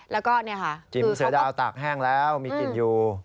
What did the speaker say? แล้วก็เนี่ยค่ะจิ๋มเสือดาวตากแห้งแล้วมีกลิ่นอยู่